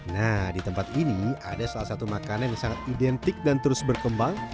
nah di tempat ini ada salah satu makanan yang sangat identik dan terus berkembang